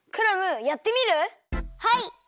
はい！